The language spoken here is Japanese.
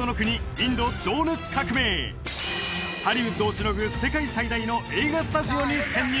インド情熱革命ハリウッドをしのぐ世界最大の映画スタジオに潜入